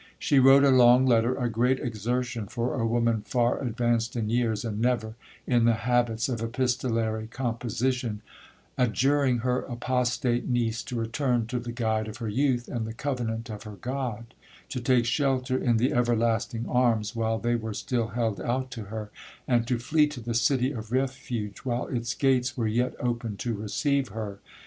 She wrote a long letter (a great exertion for a woman far advanced in years, and never in the habits of epistolary composition) adjuring her apostate niece to return to the guide of her youth, and the covenant of her God,—to take shelter in the everlasting arms while they were still held out to her,—and to flee to the city of refuge while its gates were yet open to receive her.